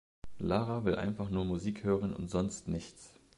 Lara will einfach nur Musik hören und sonst nichts.